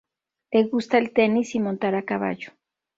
Le gusta el tenis y montar a caballo.